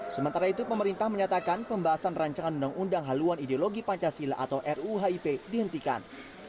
sementara itu pemerintah menyatakan pembahasan rancangan undang undang haluan ideologi pancasila atau ruhip dihentikan